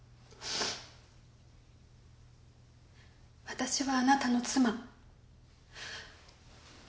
私はあなたの妻。